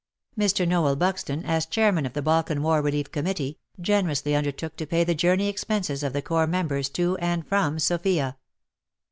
Mr. Noel Buxton, as chairman of the Balkan War Relief Committee," generously undertook to pay the journey expenses of the Corps members to and from Sofia.